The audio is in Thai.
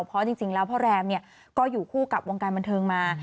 เพราะจริงแล้วพ่อแรมก็อยู่คู่กับวงการบันเทิงมา